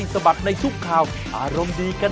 สวัสดีค่ะ